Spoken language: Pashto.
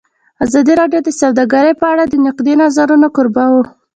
ازادي راډیو د سوداګري په اړه د نقدي نظرونو کوربه وه.